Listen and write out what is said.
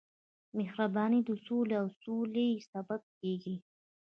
مهرباني د سولې او سولې سبب کېږي.